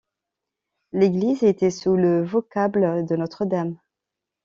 L'église était sous le vocable de Notre-Dame.